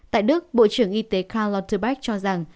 tại đức bộ trưởng y tế karl lauterbach cho rằng